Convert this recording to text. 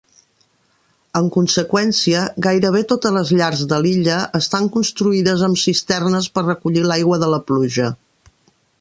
En conseqüència, gairebé totes les llars de l'illa estan construïdes amb cisternes per recollir l'aigua de la pluja.